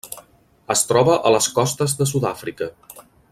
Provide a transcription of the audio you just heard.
Es troba a les costes de Sud-àfrica.